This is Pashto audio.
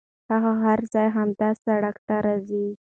هغه هره ورځ همدې سړک ته راځي.